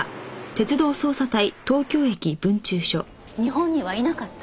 日本にはいなかった？